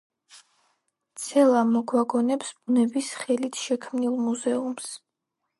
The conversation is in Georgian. ცელა მოგვაგონებს ბუნების ხელით შექმნილ მუზეუმს.